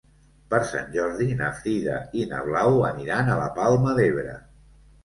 Per Sant Jordi na Frida i na Blau aniran a la Palma d'Ebre.